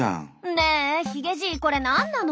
ねえヒゲじいこれ何なの？